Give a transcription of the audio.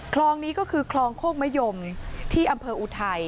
คลองนี้ก็คือคลองโคกมะยมที่อำเภออุทัย